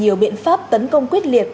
nhiều biện pháp tấn công quyết liệt